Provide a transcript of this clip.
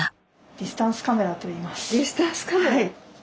ディスタンス・カメラといいます。